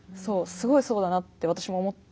すごいそうだなって私も思ってて。